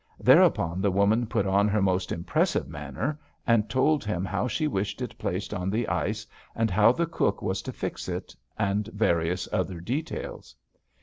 Thereupon the woman put on her most impressive manner and told him how she wished it placed on the ice and how the cook was to fix it and various other details.